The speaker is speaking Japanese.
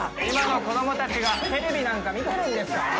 今の子どもたちがテレビなんか見てるんですか？